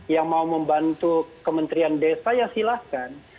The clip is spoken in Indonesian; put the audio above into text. yang mau membantu kementerian desa ya silahkan